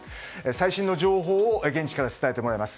最新の情報を現地から伝えてもらいます。